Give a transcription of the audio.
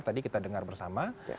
tadi kita dengar bersama